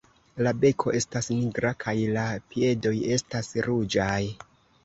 La beko estas nigra kaj la piedoj estas ruĝaj.